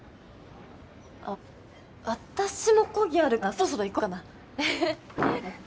あっ私も講義あるからそろそろ行こうかな。